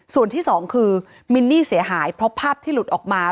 ส่วนที่สองคือมินนี่เสียหายเพราะภาพที่หลุดออกมา